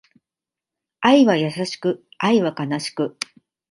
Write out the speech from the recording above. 愛は優しく、愛は悲しく